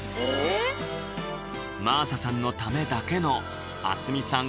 真麻さんのためだけの明日海さん